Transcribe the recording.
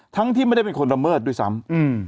ที่ไม่ได้เป็นคนละเมิดด้วยซ้ำ